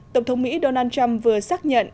tổng thống mỹ donald trump vừa xác nhận